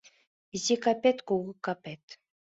Изи капет, кугу капет